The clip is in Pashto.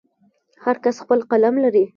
هر کس خپل قلم لري.